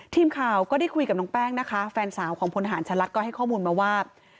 ทีมข่าวก็ได้คุยกับน้องแป้งนะคะแฟนสาวของพลฐานชะลักก็ให้ข้อมูลมาว่า